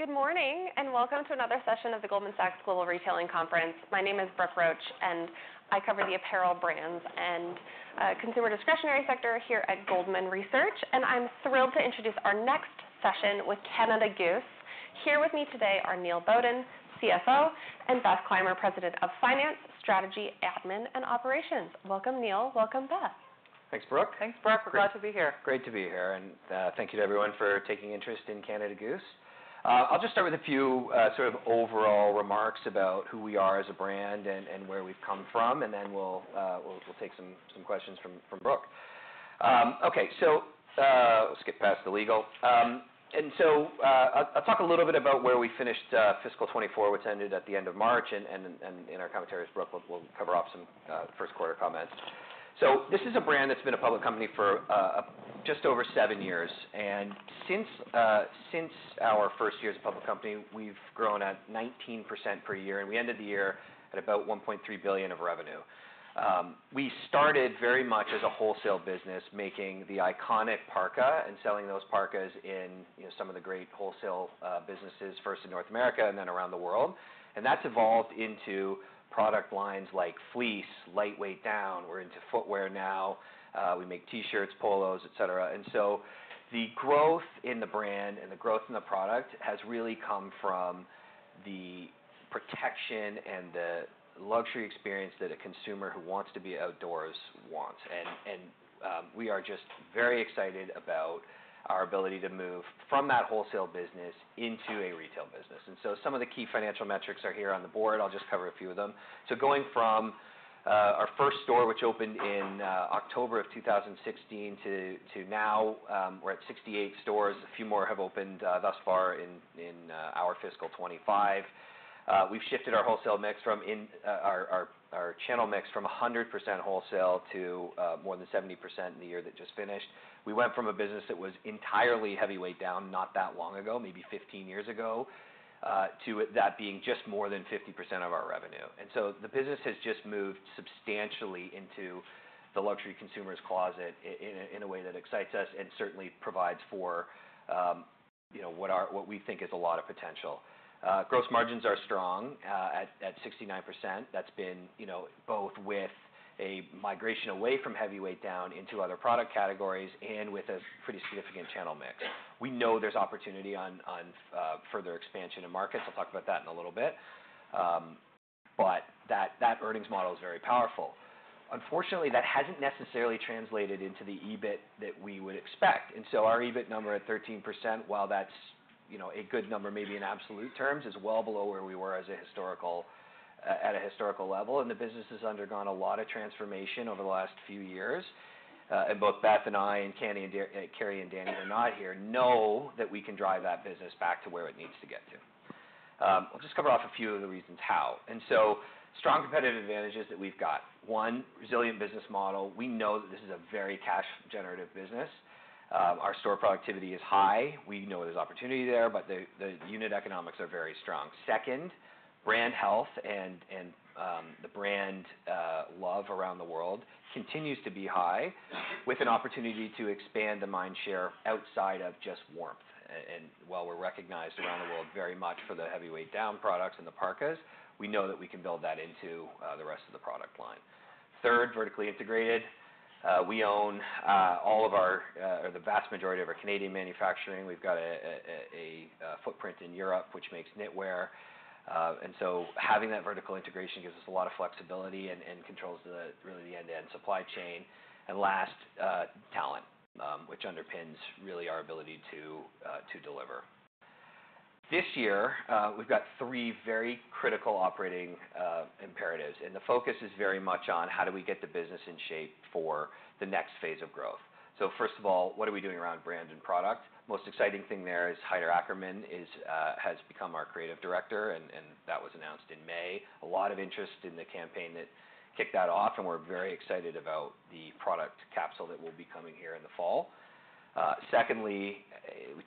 Good morning, and welcome to another session of the Goldman Sachs Global Retailing Conference. My name is Brooke Roach, and I cover the apparel brands and consumer discretionary sector here at Goldman Research. And I'm thrilled to introduce our next session with Canada Goose. Here with me today are Neil Bowden, CFO, and Beth Clymer, President of Finance, Strategy, Admin, and Operations. Welcome, Neil. Welcome, Beth. Thanks, Brooke. Thanks, Brooke. We're glad to be here. Great to be here, and thank you to everyone for taking an interest in Canada Goose. I'll just start with a few sorts of overall remarks about who we are as a brand and where we've come from, and then we'll take some questions from Brooke. Okay, so we'll skip past the legal. And so I'll talk a little bit about where we finished fiscal 2024, which ended at the end of March, and in our commentaries, Brooke will cover off some first quarter comments. So this is a brand that's been a public company for just over seven years, and since our first year as a public company, we've grown at 19% per year, and we ended the year at about 1.3 billion of revenue. We started very much as a wholesale business, making the iconic parka and selling those parkas in, you know, some of the great wholesale businesses, first in North America and then around the world, and that's evolved into product lines like fleece, lightweight down. We're into footwear now. We make T-shirts, polos, et cetera, and so the growth in the brand and the growth in the product has really come from the protection and the luxury experience that a consumer who wants to be outdoors wants, and we are just very excited about our ability to move from that wholesale business into a retail business, and so some of the key financial metrics are here on the board. I'll just cover a few of them. Going from our first store, which opened in October of 2016, to now, we're at 68 stores. A few more have opened thus far in our fiscal 2025. We've shifted our wholesale mix from our channel mix from 100% wholesale to more than 70% in the year that just finished. We went from a business that was entirely heavyweight down, not that long ago, maybe 15 years ago, to it being just more than 50% of our revenue. And so the business has just moved substantially into the luxury consumer's closet in a way that excites us and certainly provides for, you know, what we think is a lot of potential. Gross margins are strong at 69%. That's been, you know, both with a migration away from heavyweight down into other product categories and with a pretty significant channel mix. We know there's an opportunity on further expansion in markets. I'll talk about that in a little bit. But that earnings model is very powerful. Unfortunately, that hasn't necessarily translated into the EBIT that we would expect, and so our EBIT number at 13%, while that's, you know, a good number, maybe in absolute terms, is well below where we were as a historical... at a historical level. And the business has undergone a lot of transformation over the last few years. And both Beth and I, and Kenny and Carrie and Danny, who are not here, know that we can drive that business back to where it needs to get to. I'll just cover off a few of the reasons how and so strong competitive advantages that we've got. One, resilient business model. We know that this is a very cash-generative business. Our store productivity is high. We know there's an opportunity there, but the unit economics are very strong. Second, brand health and the brand love around the world continue to be high, with an opportunity to expand the mind share outside of just warmth. And while we're recognized around the world very much for the heavyweight down products and the parkas, we know that we can build that into the rest of the product line. Third, vertically integrated. We own all of our or the vast majority of our Canadian manufacturing. We've got a footprint in Europe, which makes knitwear. And so having that vertical integration gives us a lot of flexibility and controls, really, the end-to-end supply chain. And last, talent, which underpins, really, our ability to deliver. This year, we've got three very critical operating imperatives, and the focus is very much on: How do we get the business in shape for the next phase of growth? So first of all, what are we doing around brand and product? Most exciting thing there is Haider Ackermann has become our creative director, and that was announced in May. A lot of interest in the campaign that kicked that off, and we're very excited about the product capsule that will be coming here in the fall. Secondly,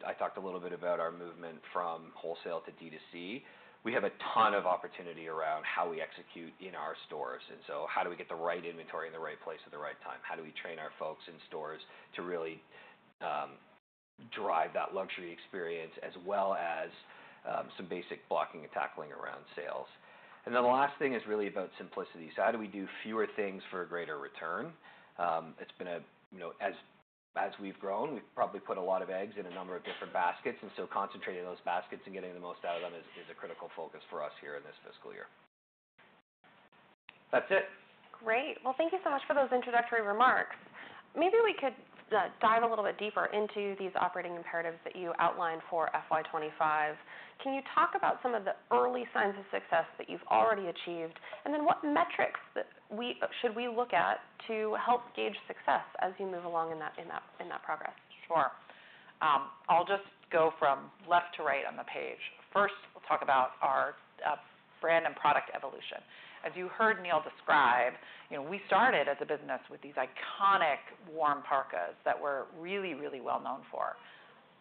I talked a little bit about our movement from wholesale to DTC. We have a ton of opportunity around how we execute in our stores, and so how do we get the right inventory in the right place at the right time? How do we train our folks in stores to really, drive that luxury experience, as well as, some basic blocking and tackling around sales? And then the last thing is really about simplicity. So how do we do fewer things for a greater return? It's been, you know, as we've grown, we've probably put a lot of eggs in a number of different baskets, and so concentrating those baskets and getting the most out of them is a critical focus for us here in this fiscal year. That's it. Great. Well, thank you so much for those introductory remarks. Maybe we could dive a little bit deeper into these operating imperatives that you outlined for FY twenty-five. Can you talk about some of the early signs of success that you've already achieved? And then what metrics that should we look at to help gauge success as you move along in that progress? Sure. I'll just go from left to right on the page. First, we'll talk about our brand and product evolution. As you heard Neil describe, you know, we started as a business with these iconic warm parkas that we're really, really well known for,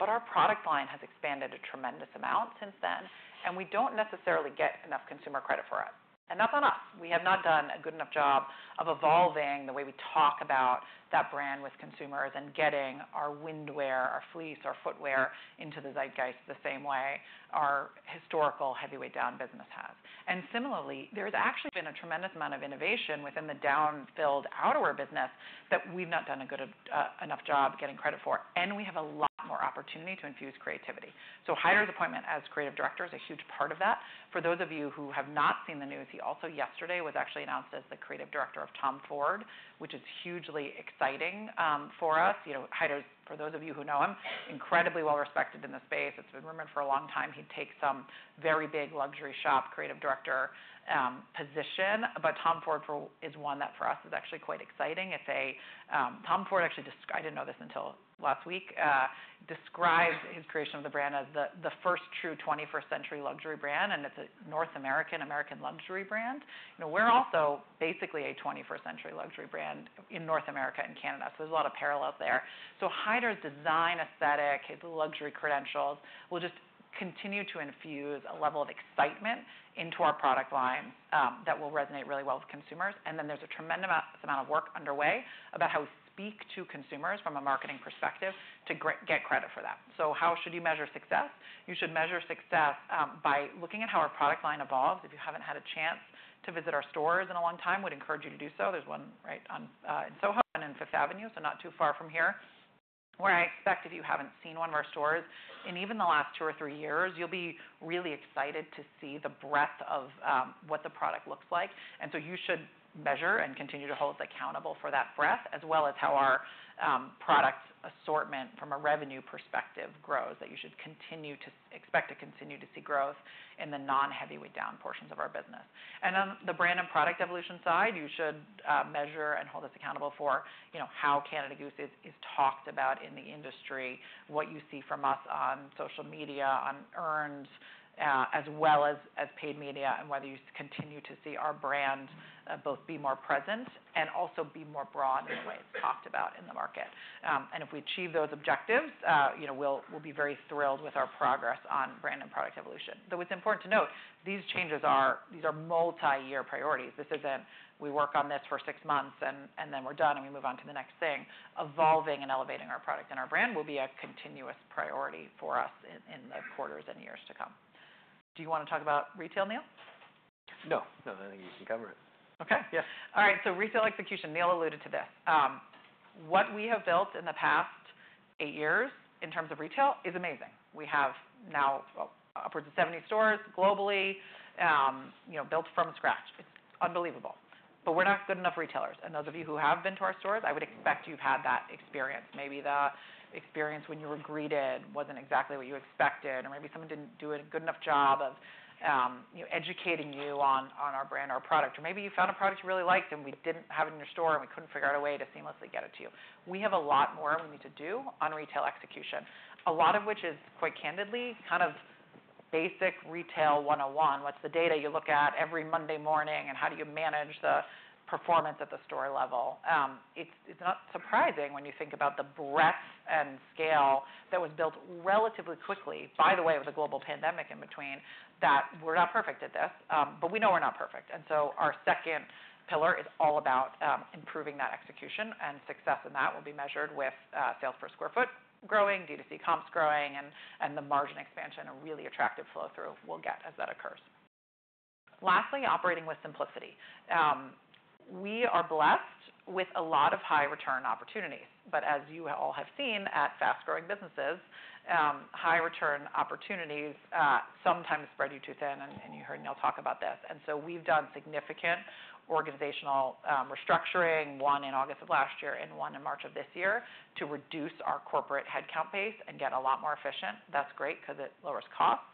but our product line has expanded a tremendous amount since then... and we don't necessarily get enough consumer credit for it, and that's on us. We have not done a good enough job of evolving the way we talk about that brand with consumers and getting our windwear, our fleece, our footwear into the zeitgeist, the same way our historical heavyweight down business has, and similarly, there's actually been a tremendous amount of innovation within the down-filled outerwear business that we've not done a good enough job getting credit for, and we have a lot more opportunity to infuse creativity. So Haider's appointment as creative director is a huge part of that. For those of you who have not seen the news, he also yesterday was actually announced as the creative director of Tom Ford, which is hugely exciting for us. You know, Haider, for those of you who know him, incredibly well respected in the space. It's been rumored for a long time he'd take some very big luxury shop creative director position, but Tom Ford for is one that for us is actually quite exciting. It's a Tom Ford actually I didn't know this until last week described his creation of the brand as the first true twenty-first century luxury brand, and it's a North American, American luxury brand. You know, we're also basically a twenty-first century luxury brand in North America and Canada, so there's a lot of parallels there. So Haider's design aesthetic, his luxury credentials, will just continue to infuse a level of excitement into our product line, that will resonate really well with consumers. And then there's a tremendous amount of work underway about how we speak to consumers from a marketing perspective to get credit for that. So how should you measure success? You should measure success, by looking at how our product line evolves. If you haven't had a chance to visit our stores in a long time, would encourage you to do so. There's one right on in Soho and on Fifth Avenue, so not too far from here, where I expect if you haven't seen one of our stores in even the last two or three years, you'll be really excited to see the breadth of what the product looks like. And so you should measure and continue to hold us accountable for that breadth, as well as how our product assortment from a revenue perspective grows, that you should continue to expect to continue to see growth in the non-heavyweight down portions of our business. And on the brand and product evolution side, you should measure and hold us accountable for, you know, how Canada Goose is talked about in the industry, what you see from us on social media, on earned, as well as paid media, and whether you continue to see our brand both be more present and also be more broad in the way it's talked about in the market. And if we achieve those objectives, you know, we'll be very thrilled with our progress on brand and product evolution. Though it's important to note, these changes are, these are multi-year priorities. This isn't we work on this for six months, and then we're done, and we move on to the next thing. Evolving and elevating our product and our brand will be a continuous priority for us in the quarters and years to come. Do you wanna talk about retail, Neil? No. No, I think you can cover it. Okay. Yeah. All right, so retail execution, Neil alluded to this. What we have built in the past eight years in terms of retail is amazing. We have now, well, upwards of 70 stores globally, you know, built from scratch. It's unbelievable. But we're not good enough retailers, and those of you who have been to our stores, I would expect you've had that experience. Maybe the experience when you were greeted wasn't exactly what you expected, or maybe someone didn't do a good enough job of, you know, educating you on our brand or product. Or maybe you found a product you really liked, and we didn't have it in your store, and we couldn't figure out a way to seamlessly get it to you. We have a lot more we need to do on retail execution, a lot of which is, quite candidly, kind of basic Retail 101. What's the data you look at every Monday morning, and how do you manage the performance at the store level? It's not surprising when you think about the breadth and scale that was built relatively quickly, by the way, of a global pandemic in between, that we're not perfect at this. But we know we're not perfect, and so our second pillar is all about improving that execution, and success in that will be measured with sales per sq ft growing, DTC comps growing, and the margin expansion, a really attractive flow-through we'll get as that occurs. Lastly, operating with simplicity. We are blessed with a lot of high-return opportunities, but as you all have seen at fast-growing businesses, high-return opportunities sometimes spread you too thin, and you heard Neil talk about this, and so we've done significant organizational restructuring, one in August of last year and one in March of this year, to reduce our corporate headcount base and get a lot more efficient. That's great because it lowers costs,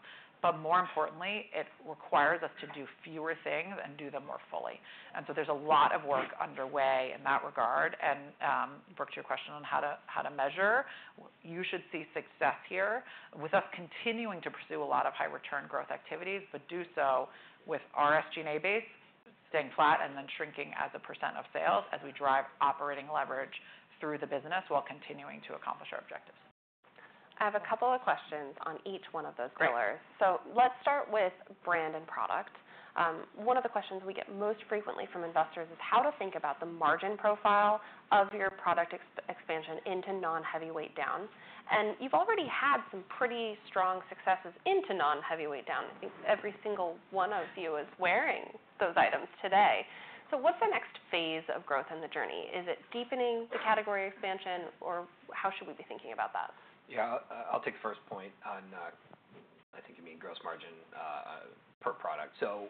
but more importantly, it requires us to do fewer things and do them more fully, and so there's a lot of work underway in that regard. Brooke, to your question on how to measure, you should see success here with us continuing to pursue a lot of high-return growth activities, but do so with our SG&A base staying flat and then shrinking as a percent of sales as we drive operating leverage through the business while continuing to accomplish our objectives. I have a couple of questions on each one of those pillars. Great. So let's start with brand and product. One of the questions we get most frequently from investors is how to think about the margin profile of your product expansion into non-heavyweight down. And you've already had some pretty strong successes into non-heavyweight down. I think every single one of you is wearing those items today. So what's the next phase of growth in the journey? Is it deepening the category expansion, or how should we be thinking about that? Yeah. I'll take the first point on, I think you mean gross margin per product. So,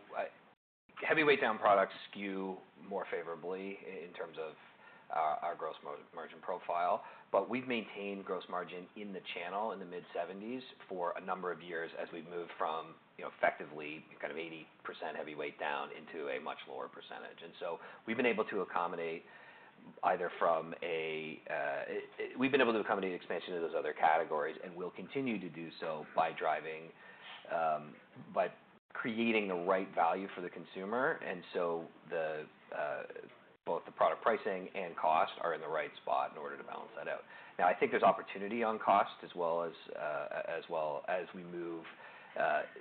heavyweight down products skew more favorably in terms of our gross margin profile, but we've maintained gross margin in the channel in the mid-70s% for a number of years as we've moved from, you know, effectively, kind of 80% heavyweight down into a much lower percentage. And so we've been able to accommodate expansion into those other categories, and we'll continue to do so by creating the right value for the consumer, and so both the product pricing and cost are in the right spot in order to balance that out. Now, I think there's opportunity on cost as well as we move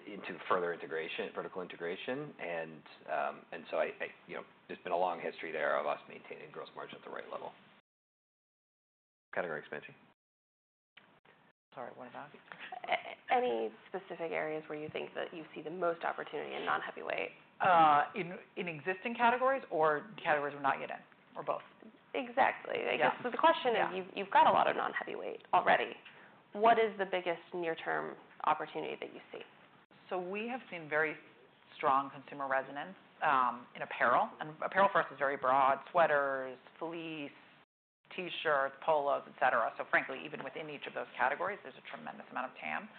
into further integration, vertical integration. So you know, there's been a long history there of us maintaining gross margin at the right level. Category expansion. Sorry, what is that? Any specific areas where you think that you see the most opportunity in non-heavyweight? In existing categories or categories we're not yet in, or both? Exactly. Yeah. I guess, so the question is- Yeah. You've got a lot of non-heavyweight already. Yeah. What is the biggest near-term opportunity that you see? So we have seen very strong consumer resonance in apparel, and apparel for us is very broad: sweaters, fleece, T-shirts, polos, et cetera. So frankly, even within each of those categories, there's a tremendous amount of TAM.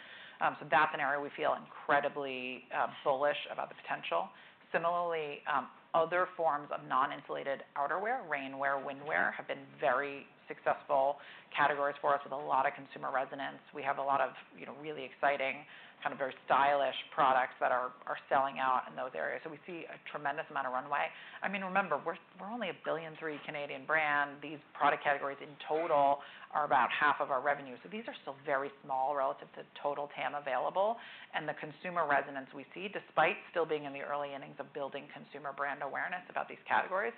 So that's an area we feel incredibly bullish about the potential. Similarly, other forms of non-insulated outerwear, rainwear, windwear, have been very successful categories for us with a lot of consumer resonance. We have a lot of, you know, really exciting, kind of, very stylish products that are selling out in those areas, so we see a tremendous amount of runway. I mean, remember, we're only 1.3 billion CAD brand. These product categories in total are about half of our revenue. So these are still very small relative to total TAM available. The consumer resonance we see, despite still being in the early innings of building consumer brand awareness about these categories,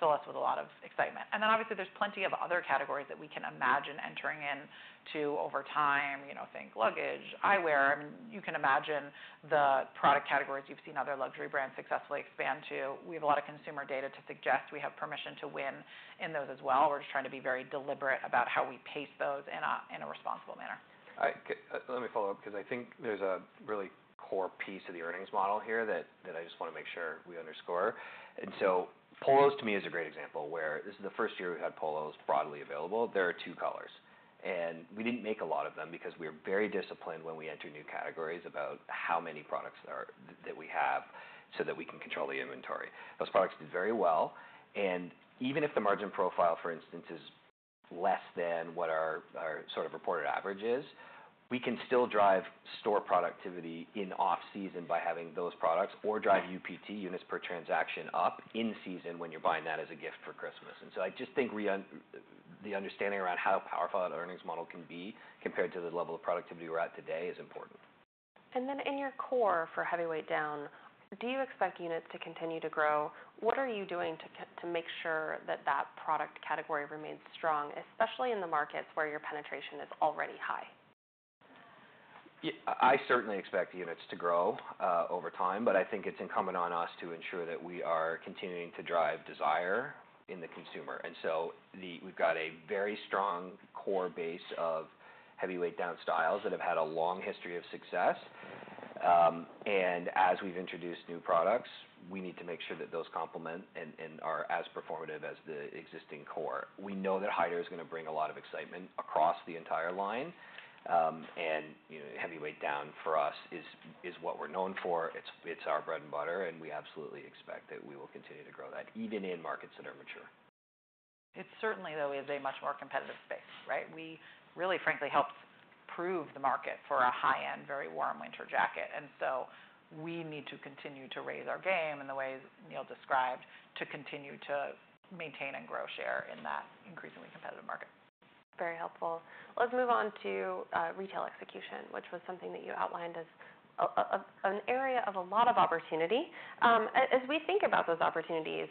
fill us with a lot of excitement. Obviously, there's plenty of other categories that we can imagine entering into over time, you know, think luggage, eyewear. I mean, you can imagine the product categories you've seen other luxury brands successfully expand to. We have a lot of consumer data to suggest we have permission to win in those as well. We're just trying to be very deliberate about how we pace those in a responsible manner. Let me follow up, because I think there's a really core piece of the earnings model here that, that I just want to make sure we underscore. And so polos, to me, is a great example where this is the first year we had polos broadly available. There are two colors, and we didn't make a lot of them because we are very disciplined when we enter new categories about how many products are... that we have, so that we can control the inventory. Those products did very well, and even if the margin profile, for instance, is less than what our, our sort of reported average is, we can still drive store productivity in off-season by having those products, or drive UPT, units per transaction, up in season when you're buying that as a gift for Christmas. And so I just think the understanding around how powerful that earnings model can be, compared to the level of productivity we're at today, is important. Then in your core for Heavyweight Down, do you expect units to continue to grow? What are you doing to make sure that that product category remains strong, especially in the markets where your penetration is already high? I certainly expect units to grow over time, but I think it's incumbent on us to ensure that we are continuing to drive desire in the consumer. We've got a very strong core base of heavyweight down styles that have had a long history of success. As we've introduced new products, we need to make sure that those complement and are as performative as the existing core. We know that lighter is going to bring a lot of excitement across the entire line. You know, heavyweight down for us is what we're known for. It's our bread and butter, and we absolutely expect that we will continue to grow that, even in markets that are mature. It certainly, though, is a much more competitive space, right? We really, frankly, helped prove the market for a high-end, very warm winter jacket, and so we need to continue to raise our game in the ways Neil described, to continue to maintain and grow share in that increasingly competitive market. Very helpful. Let's move on to retail execution, which was something that you outlined as an area of a lot of opportunity. As we think about those opportunities,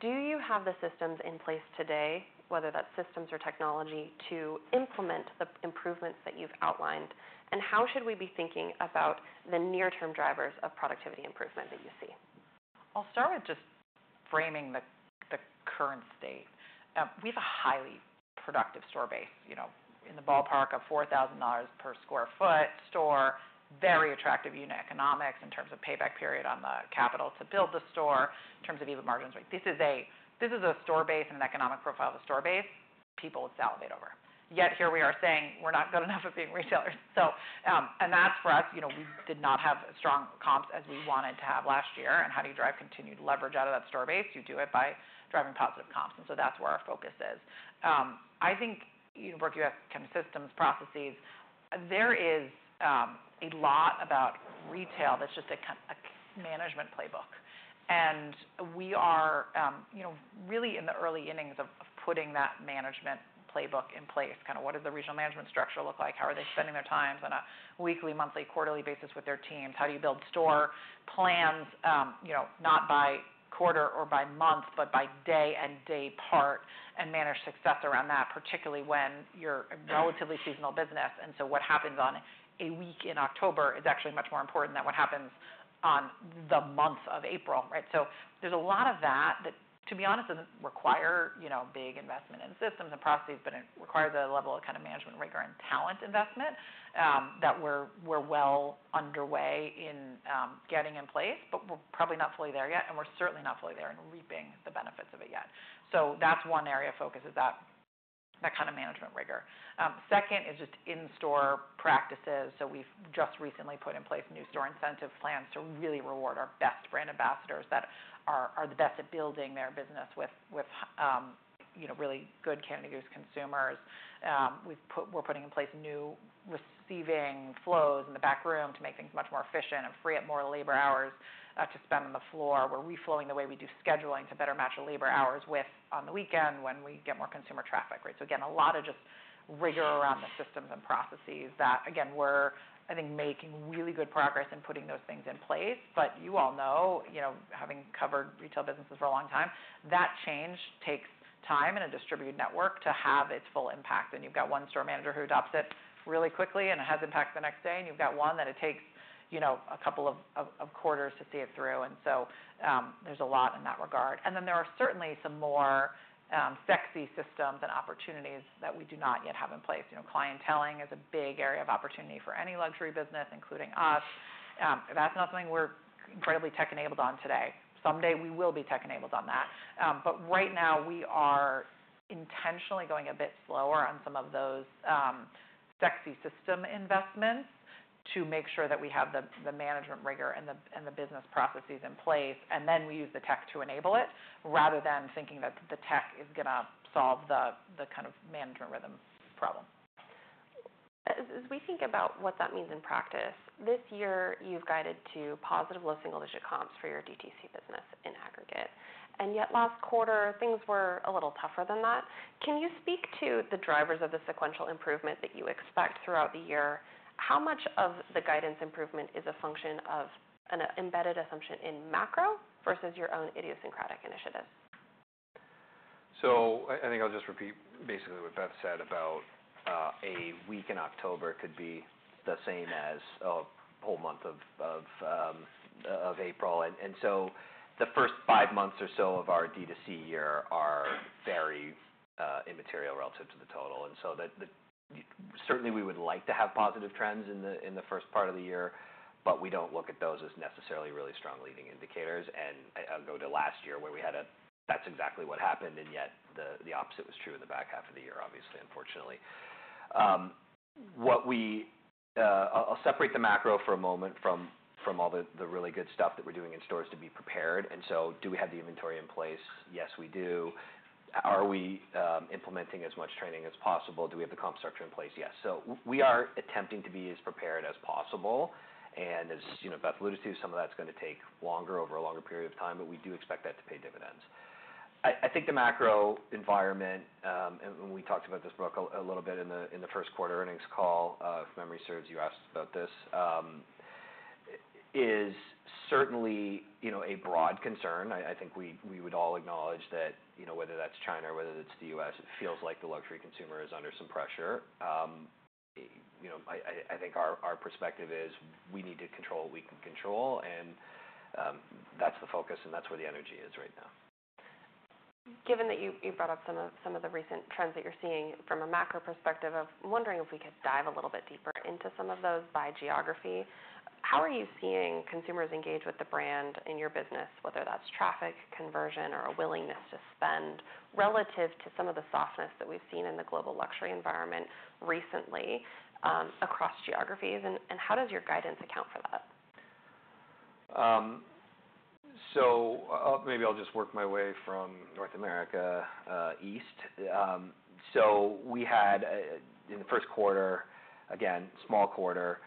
do you have the systems in place today, whether that's systems or technology, to implement the improvements that you've outlined? And how should we be thinking about the near-term drivers of productivity improvement that you see? I'll start with just framing the current state. We have a highly productive store base, you know, in the ballpark of $4,000 per sq ft store, very attractive unit economics in terms of payback period on the capital to build the store, in terms of EBITDA margins rate. This is a store base and an economic profile of the store base people salivate over. Yet, here we are saying we're not good enough at being retailers. So, and that's for us, you know, we did not have strong comps as we wanted to have last year. And how do you drive continued leverage out of that store base? You do it by driving positive comps, and so that's where our focus is. I think, you know, where you have kind of systems, processes, there is a lot about retail that's just a kind of a management playbook. We are, you know, really in the early innings of putting that management playbook in place. Kind of, what does the regional management structure look like? How are they spending their times on a weekly, monthly, quarterly basis with their teams? How do you build store plans, you know, not by quarter or by month, but by day and day part, and manage success around that, particularly when you're a relatively seasonal business, and so what happens on a week in October is actually much more important than what happens on the month of April, right? So there's a lot of that, to be honest, doesn't require, you know, big investment in systems and processes, but it requires a level of kind of management rigor and talent investment, that we're well underway in getting in place, but we're probably not fully there yet, and we're certainly not fully there in reaping the benefits of it yet. So that's one area of focus, that kind of management rigor. Second is just in-store practices. So we've just recently put in place new store incentive plans to really reward our best brand ambassadors that are the best at building their business with, you know, really good Canada Goose consumers. We've put, we're putting in place new receiving flows in the back room to make things much more efficient and free up more labor hours to spend on the floor. We're reflowing the way we do scheduling to better match the labor hours with, on the weekend when we get more consumer traffic. Right, so again, a lot of just rigor around the systems and processes that, again, we're, I think, making really good progress in putting those things in place. But you all know, you know, having covered retail businesses for a long time, that change takes time in a distributed network to have its full impact. And you've got one store manager who adopts it really quickly, and it has impact the next day, and you've got one that it takes, you know, a couple of quarters to see it through. And so, there's a lot in that regard. And then there are certainly some more sexy systems and opportunities that we do not yet have in place. You know, clienteling is a big area of opportunity for any luxury business, including us. That's not something we're incredibly tech-enabled on today. Someday we will be tech-enabled on that. But right now, we are intentionally going a bit slower on some of those sexy system investments to make sure that we have the management rigor and the business processes in place, and then we use the tech to enable it, rather than thinking that the tech is gonna solve the kind of management rhythm problem. As we think about what that means in practice, this year, you've guided to positive low single-digit comps for your DTC business in aggregate, and yet last quarter, things were a little tougher than that. Can you speak to the drivers of the sequential improvement that you expect throughout the year? How much of the guidance improvement is a function of an embedded assumption in macro versus your own idiosyncratic initiatives? So I think I'll just repeat basically what Beth said about a week in October could be the same as a whole month of April. And so the first five months or so of our DTC year are very immaterial relative to the total. Certainly, we would like to have positive trends in the first part of the year, but we don't look at those as necessarily really strong leading indicators. And I'll go to last year, where we had--that's exactly what happened, and yet the opposite was true in the back half of the year, obviously, unfortunately. I'll separate the macro for a moment from all the really good stuff that we're doing in stores to be prepared. And so do we have the inventory in place? Yes, we do. Are we implementing as much training as possible? Do we have the comp structure in place? Yes. So we are attempting to be as prepared as possible, and as, you know, Beth alluded to, some of that's gonna take longer, over a longer period of time, but we do expect that to pay dividends. I think the macro environment, and we talked about this, Brooke, a little bit in the first quarter earnings call. If memory serves, you asked about this, is certainly, you know, a broad concern. I think we would all acknowledge that, you know, whether that's China, or whether that's the U.S., it feels like the luxury consumer is under some pressure. You know, I think our perspective is we need to control what we can control, and that's the focus, and that's where the energy is right now. Given that you brought up some of the recent trends that you're seeing from a macro perspective. I'm wondering if we could dive a little bit deeper into some of those by geography. How are you seeing consumers engage with the brand in your business, whether that's traffic, conversion, or a willingness to spend, relative to some of the softness that we've seen in the global luxury environment recently, across geographies? And how does your guidance account for that? So maybe I'll just work my way from North America east. So we had in the first quarter, again, small quarter,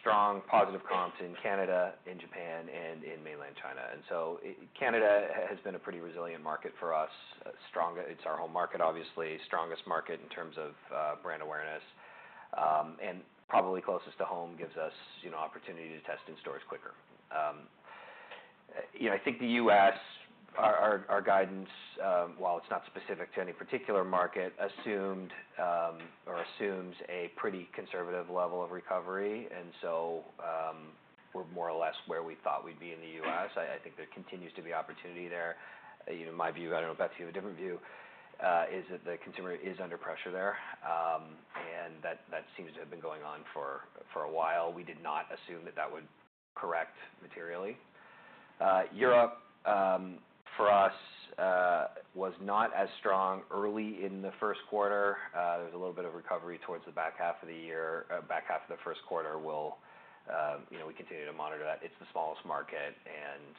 strong positive comps in Canada, in Japan, and in Mainland China. And so Canada has been a pretty resilient market for us. Strong. It's our home market, obviously, strongest market in terms of brand awareness, and probably closest to home, gives us you know opportunity to test in stores quicker. You know I think the US, our guidance, while it's not specific to any particular market, assumed or assumes a pretty conservative level of recovery, and so we're more or less where we thought we'd be in the US. I think there continues to be opportunity there. You know, my view, I don't know if Beth, you have a different view, is that the consumer is under pressure there, and that seems to have been going on for a while. We did not assume that that would correct materially. Europe, for us, was not as strong early in the first quarter. There was a little bit of recovery towards the back half of the year, back half of the first quarter. You know, we continue to monitor that. It's the smallest market, and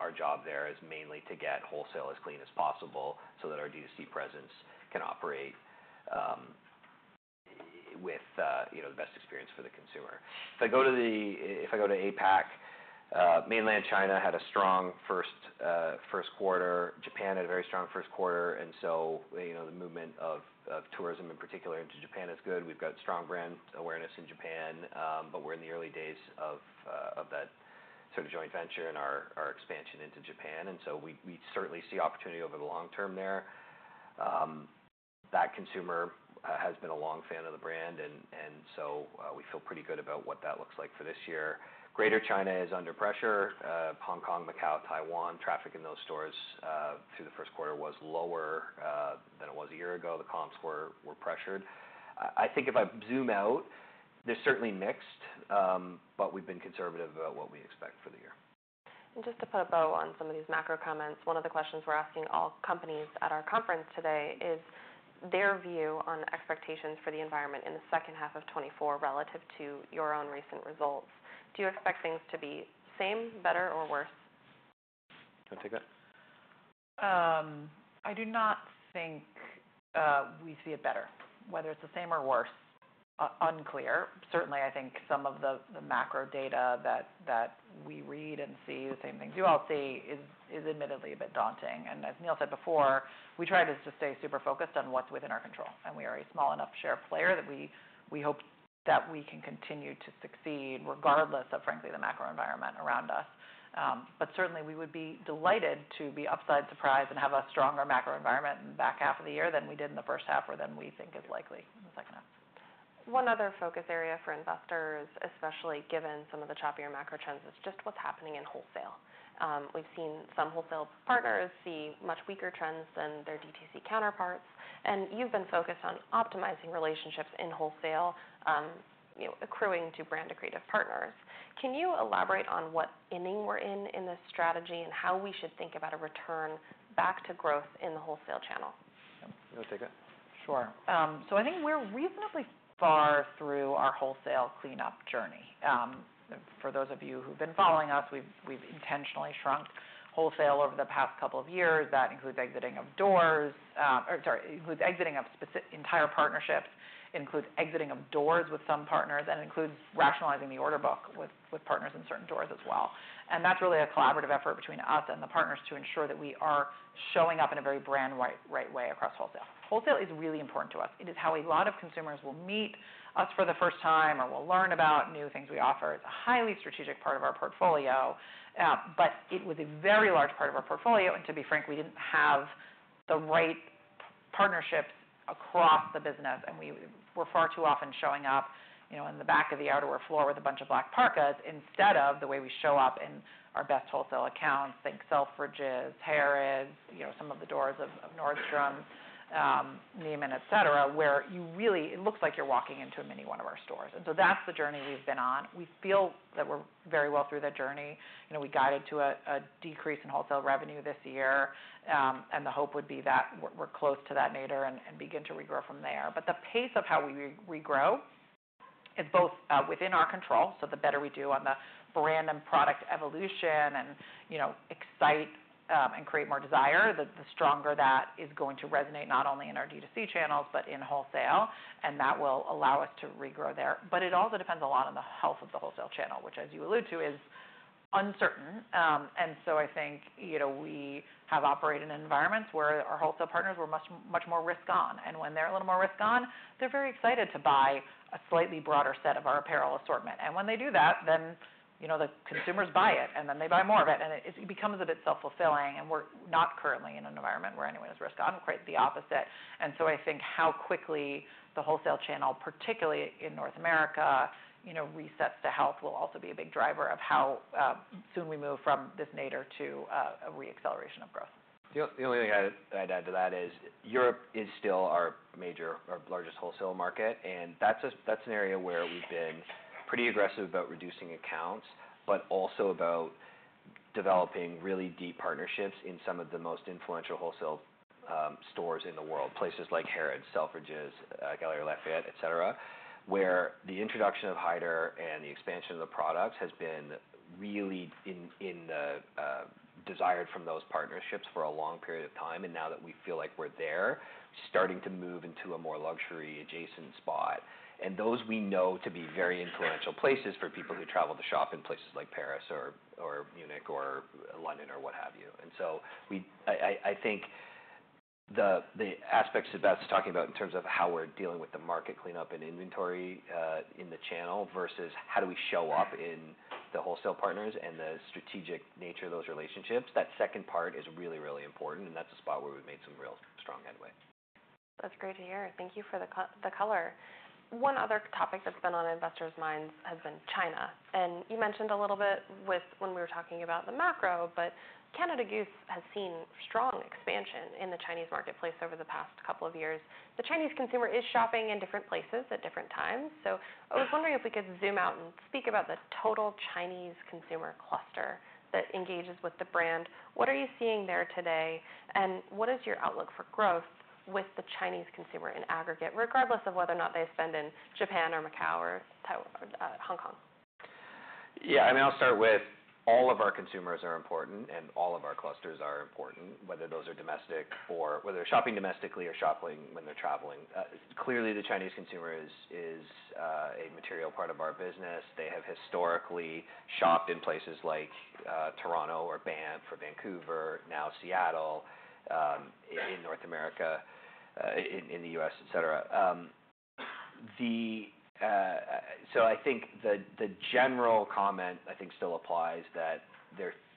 our job there is mainly to get wholesale as clean as possible so that our DTC presence can operate with, you know, the best experience for the consumer. If I go to APAC, Mainland China had a strong first quarter. Japan had a very strong first quarter, and so, you know, the movement of tourism in particular into Japan is good. We've got strong brand awareness in Japan, but we're in the early days of that sort of joint venture and our expansion into Japan, and so we certainly see opportunity over the long term there. That consumer has been a long fan of the brand, and so we feel pretty good about what that looks like for this year. Greater China is under pressure. Hong Kong, Macau, Taiwan, traffic in those stores through the first quarter was lower than it was a year ago. The comps were pressured. I think if I zoom out, they're certainly mixed, but we've been conservative about what we expect for the year.... And just to put a bow on some of these macro comments, one of the questions we're asking all companies at our conference today is their view on expectations for the environment in the second half of 2024 relative to your own recent results. Do you expect things to be same, better or worse? Do you wanna take that? I do not think we see it better. Whether it's the same or worse, unclear. Certainly, I think some of the macro data that we read and see, the same things you all see, is admittedly a bit daunting. And as Neil said before, we try to just stay super focused on what's within our control, and we are a small enough share player that we hope that we can continue to succeed regardless of, frankly, the macro environment around us. But certainly, we would be delighted to be upside surprised and have a stronger macro environment in the back half of the year than we did in the first half, or than we think is likely in the second half. One other focus area for investors, especially given some of the choppier macro trends, is just what's happening in wholesale. We've seen some wholesale partners see much weaker trends than their DTC counterparts, and you've been focused on optimizing relationships in wholesale, you know, accruing to brand creative partners. Can you elaborate on what inning we're in in this strategy, and how we should think about a return back to growth in the wholesale channel? You wanna take it? Sure. So I think we're reasonably far through our wholesale cleanup journey. For those of you who've been following us, we've intentionally shrunk wholesale over the past couple of years. That includes exiting of doors, or sorry, includes exiting of entire partnerships. Includes exiting of doors with some partners, and includes rationalizing the order book with partners in certain doors as well, and that's really a collaborative effort between us and the partners to ensure that we are showing up in a very brand-wide right way across wholesale. Wholesale is really important to us. It is how a lot of consumers will meet us for the first time, or will learn about new things we offer. It's a highly strategic part of our portfolio, but it was a very large part of our portfolio, and to be frank, we didn't have the right partnerships across the business, and we were far too often showing up, you know, in the back of the outerwear floor with a bunch of black parkas, instead of the way we show up in our best wholesale accounts, like Selfridges, Harrods, you know, some of the doors of Nordstrom, Neiman, et cetera, where you really... It looks like you're walking into a mini one of our stores. And so that's the journey we've been on. We feel that we're very well through that journey. You know, we guided to a decrease in wholesale revenue this year, and the hope would be that we're close to that nadir and begin to regrow from there. But the pace of how we regrow is both within our control, so the better we do on the brand and product evolution, and, you know, excite and create more desire, the stronger that is going to resonate, not only in our DTC channels, but in wholesale, and that will allow us to regrow there. But it also depends a lot on the health of the wholesale channel, which, as you allude to, is uncertain. And so I think, you know, we have operated in environments where our wholesale partners were much, much more risk-on. And when they're a little more risk-on, they're very excited to buy a slightly broader set of our apparel assortment. And when they do that, then, you know, the consumers buy it, and then they buy more of it, and it becomes a bit self-fulfilling. We're not currently in an environment where anyone is risk-on. Quite the opposite. And so I think how quickly the wholesale channel, particularly in North America, you know, resets to health, will also be a big driver of how soon we move from this nadir to a re-acceleration of growth. The only thing I'd add to that is that Europe is still our major or largest wholesale market, and that's an area where we've been pretty aggressive about reducing accounts, but also about developing really deep partnerships in some of the most influential wholesale stores in the world. Places like Harrods, Selfridges, Galeries Lafayette, et cetera, where the introduction of Haider and the expansion of the products has been really desired from those partnerships for a long period of time. And now that we feel like we're there, starting to move into a more luxury adjacent spot, and those we know to be very influential places for people who travel to shop in places like Paris or Munich, or London, or what have you. And so we... I think the aspects that Beth's talking about in terms of how we're dealing with the market cleanup and inventory in the channel, versus how do we show up in the wholesale partners and the strategic nature of those relationships, that second part is really, really important, and that's a spot where we've made some real strong headway. That's great to hear. Thank you for the color. One other topic that's been on investors' minds has been China, and you mentioned a little bit with when we were talking about the macro, but Canada Goose has seen strong expansion in the Chinese marketplace over the past couple of years. The Chinese consumer is shopping in different places at different times. So I was wondering if we could zoom out and speak about the total Chinese consumer cluster that engages with the brand. What are you seeing there today, and what is your outlook for growth with the Chinese consumer in aggregate, regardless of whether or not they spend in Japan, or Macau, or Taiwan, or Hong Kong? Yeah, I mean, I'll start with, all of our consumers are important, and all of our clusters are important, whether those are domestic or whether they're shopping domestically or shopping when they're traveling. Clearly, the Chinese consumer is a material part of our business. They have historically shopped in places like Toronto or Banff or Vancouver, and now Seattle, in North America, in the U.S., et cetera. So I think the general comment, I think, still applies, that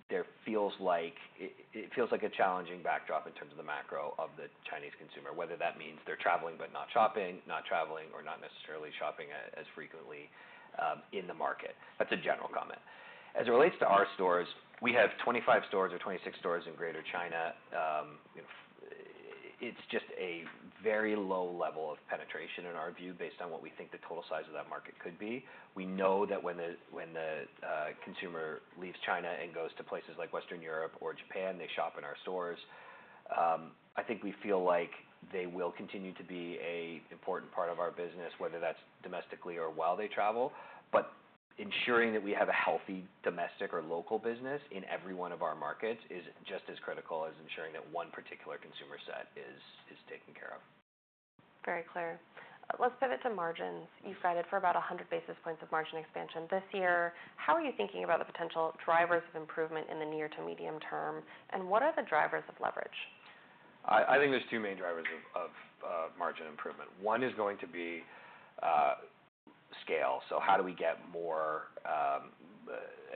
there feels like it feels like a challenging backdrop in terms of the macro of the Chinese consumer, whether that means they're traveling but not shopping, not traveling, or not necessarily shopping as frequently in the market. That's a general comment. As it relates to our stores, we have 25 stores or 26 stores in Greater China. You know, it's just a very low level of penetration in our view, based on what we think the total size of that market could be. We know that when the consumer leaves China and goes to places like Western Europe or Japan, they shop in our stores. I think we feel like they will continue to be an important part of our business, whether that's domestically or while they travel. But ensuring that we have a healthy domestic or local business in every one of our markets is just as critical as ensuring that one particular consumer set is taken care of. Very clear. Let's pivot to margins. You've guided for about a hundred basis points of margin expansion this year. How are you thinking about the potential drivers of improvement in the near to medium term, and what are the drivers of leverage? I think there's two main drivers of margin improvement. One is going to be scaled. So how do we get more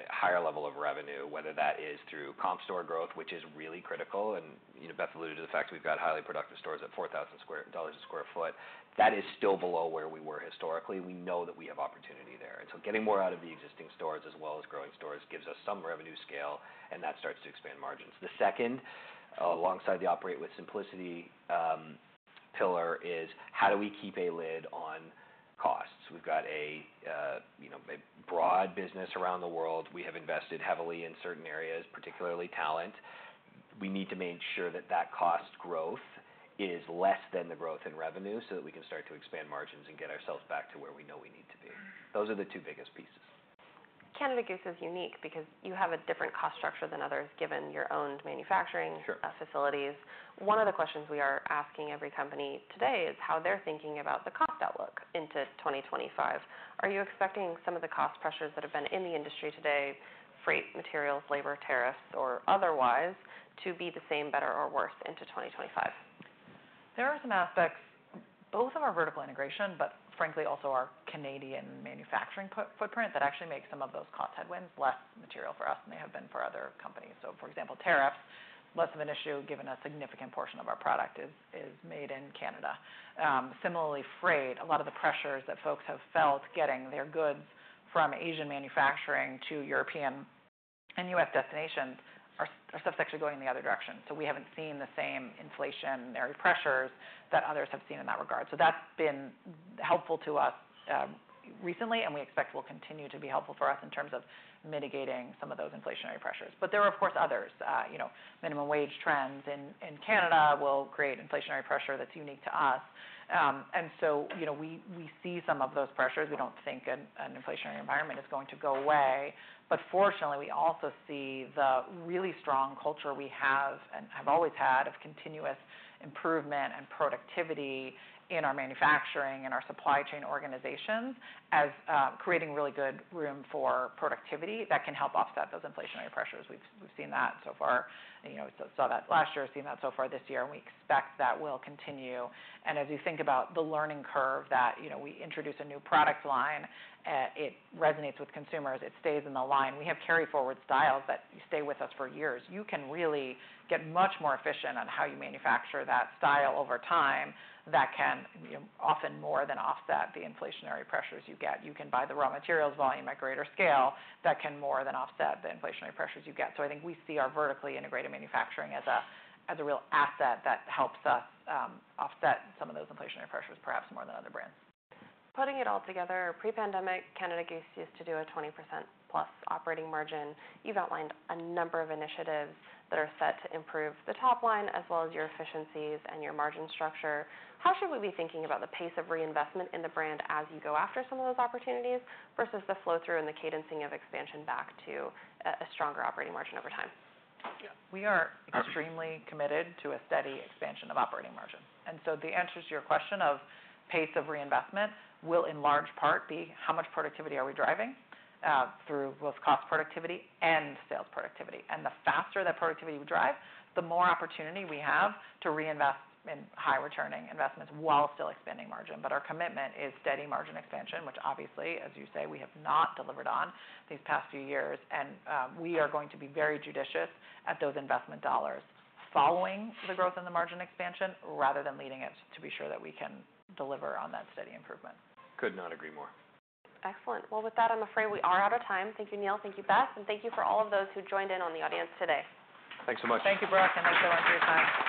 higher level of revenue, whether that is through comp store growth, which is really critical, and you know, Beth alluded to the fact we've got highly productive stores at $4,000 sq ft. That is still below where we were historically. We know that we have an opportunity there. And so getting more out of the existing stores as well as growing stores gives us some revenue scale, and that starts to expand margins. The second, alongside the Operate with Simplicity pillar, is how do we keep a lid on costs? We've got a you know, a broad business around the world. We have invested heavily in certain areas, particularly talent. We need to make sure that the cost growth is less than the growth in revenue, so that we can start to expand margins and get ourselves back to where we know we need to be. Those are the two biggest pieces. Canada Goose is unique because you have a different cost structure than others, given your owned manufacturing- Sure... facilities. One of the questions we are asking every company today is how they're thinking about the cost outlook into 2025. Are you expecting some of the cost pressures that have been in the industry today, freight, materials, labor, tariffs or otherwise, to be the same, better or worse into 2025? There are some aspects, both of our vertical integration, but frankly, also our Canadian manufacturing footprint, that actually make some of those cost headwinds less material for us than they have been for other companies. So for example, tariffs, less of an issue, given a significant portion of our product is made in Canada. Similarly, freight, a lot of the pressures that folks have felt getting their goods from Asian manufacturing to European and U.S. destinations, our stuff's actually going in the other direction. So we haven't seen the same inflationary pressures that others have seen in that regard. So that's been helpful to us recently, and we expect will continue to be helpful for us in terms of mitigating some of those inflationary pressures. But there are, of course, others. You know, minimum wage trends in Canada will create inflationary pressure that's unique to us. And so, you know, we see some of those pressures. We don't think an inflationary environment is going to go away. But fortunately, we also see the really strong culture we have, and have always had, of continuous improvement and productivity in our manufacturing and our supply chain organizations as creating really good room for productivity that can help offset those inflationary pressures. We've seen that so far. You know, saw that last year, seen that so far this year, and we expect that will continue. And as you think about the learning curve that, you know, we introduce a new product line, it resonates with consumers, it stays in the line. We have carry forward styles that stay with us for years. You can really get much more efficient on how you manufacture that style over time. That can, you know, often more than offset the inflationary pressures you get. You can buy the raw materials volume at greater scale, that can more than offset the inflationary pressures you get. So I think we see our vertically integrated manufacturing as a real asset that helps us offset some of those inflationary pressures, perhaps more than other brands. Putting it all together, pre-pandemic, Canada Goose used to do a 20% plus operating margin. You've outlined a number of initiatives that are set to improve the top line, as well as your efficiencies and your margin structure. How should we be thinking about the pace of reinvestment in the brand as you go after some of those opportunities, versus the flow-through and the cadencing of expansion back to a stronger operating margin over time? We are extremely committed to a steady expansion of operating margin, and so the answer to your question of pace of reinvestment will in large part be how much productivity are we driving through both cost productivity and sales productivity. And the faster that productivity we drive, the more opportunity we have to reinvest in high returning investments while still expanding margin. But our commitment is steady margin expansion, which obviously, as you say, we have not delivered on these past few years. And we are going to be very judicious at those investment dollars following the growth in the margin expansion rather than leading it, to be sure that we can deliver on that steady improvement. Could not agree more. Excellent. Well, with that, I'm afraid we are out of time. Thank you, Neil. Thank you, Beth, and thank you for all of those who joined in on the audience today. Thanks so much. Thank you, Brooke, and thanks so much for your time.